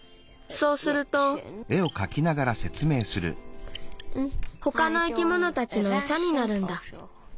そうするとほかの生き物たちのエサになるんだ。